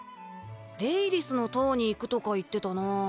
レイリスの塔に行くとか言ってたな。